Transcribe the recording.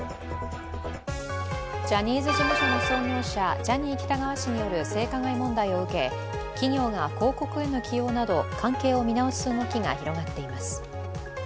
ジャニーズ事務所の創業者、ジャニー喜多川氏による性加害問題を受け企業が広告への起用など、関係を見直す動きが広がっています。